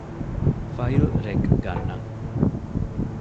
ފައިލް ރެކް ގަންނަން